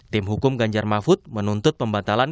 tim hukum ganjar mahfud menuntut pembatalan